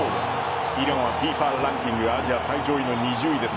イランはＦＩＦＡランキングアジア最上位の２０位です。